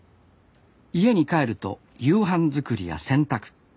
家に帰ると夕飯作りや洗濯。